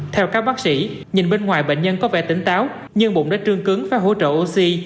theo các bác sĩ nhìn bên ngoài bệnh nhân có vẻ tỉnh táo nhưng bụng đã trương cứng và hỗ trợ oxy